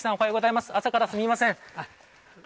朝からすみません。